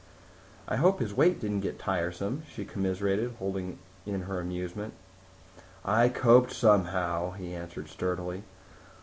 "I hope his weight didn't get tiresome," she commiserated, holding in her amusement. "I coped somehow," he answered sturdily.